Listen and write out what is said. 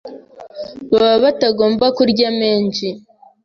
baba batagomba kurya menshi